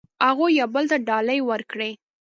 هغوی یو بل ته ډالۍ ورکړې.